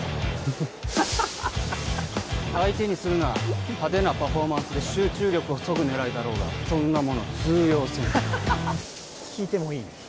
ハハハハ相手にするな派手なパフォーマンスで集中力をそぐ狙いだろうがそんなもの通用せんハハハハ聞いてもいい？